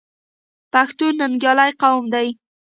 پښتون ننګیالی قوم دی.